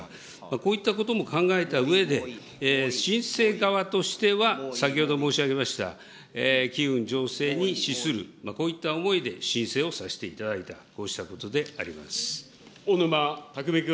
こういったことも考えたうえで、申請側としては先ほど申し上げました、機運醸成に資する、こういった思いで申請をさせていただいた、こうしたことでありま小沼巧君。